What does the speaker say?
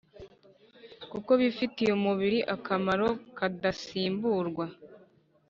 kuko bifitiye umubiri akamaro kadasimburwa.